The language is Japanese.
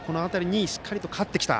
しっかりと勝ってきた。